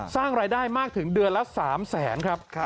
สร้างรายได้มากถึงเดือนละ๓แสนครับ